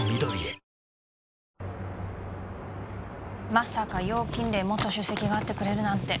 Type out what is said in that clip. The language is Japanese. まさか楊錦黎元主席が会ってくれるなんて